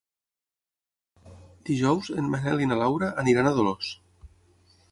Dijous en Manel i na Laura aniran a Dolors.